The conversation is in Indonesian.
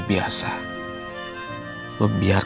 ke suatu malam